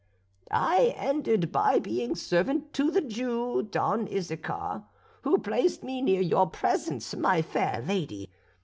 I ended by being servant to the Jew, Don Issachar, who placed me near your presence, my fair lady.